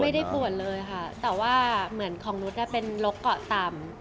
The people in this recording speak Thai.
ไม่ได้ปวดเลยค่ะแต่ว่าเหมือนของนุษย์เป็นโรคเกาะต่ำ